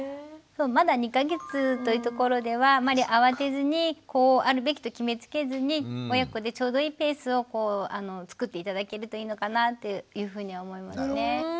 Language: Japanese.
まだ２か月というところではあまり慌てずにこうあるべきと決めつけずに親子でちょうどいいペースをこう作って頂けるといいのかなというふうに思いますね。